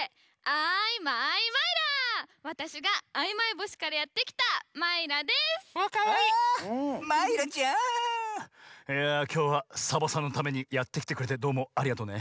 あマイラちゃん！いやきょうはサボさんのためにやってきてくれてどうもありがとね。